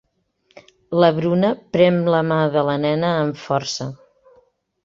La Bruna prem la mà de la nena amb força.